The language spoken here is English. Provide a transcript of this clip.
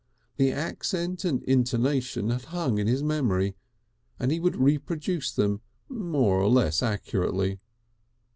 The accent and intonation had hung in his memory, and he would reproduce them more or less accurately.